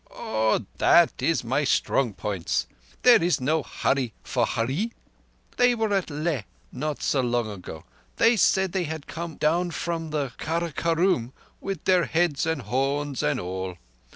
"Oah, thatt is my strong points. There is no hurry for Hurree. They were at Leh not so long ago. They said they had come down from the Karakorum with their heads and horns and all.